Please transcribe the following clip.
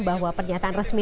bahwa pernyataan resmi